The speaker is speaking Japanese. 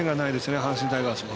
阪神タイガースも。